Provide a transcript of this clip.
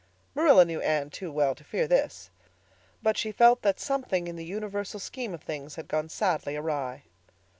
Marilla knew Anne too well to fear this; but she felt that something in the universal scheme of things had gone sadly awry.